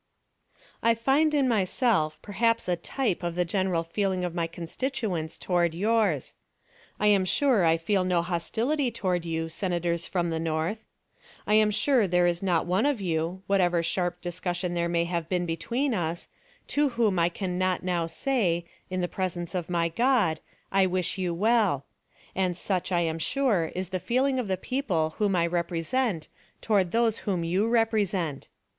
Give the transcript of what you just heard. "I find in myself perhaps a type of the general feeling of my constituents toward yours. I am sure I feel no hostility toward you, Senators from the North. I am sure there is not one of you, whatever sharp discussion there may have been between us, to whom I can not now say, in the presence of my God, I wish you well; and such, I am sure, is the feeling of the people whom I represent toward those whom you represent.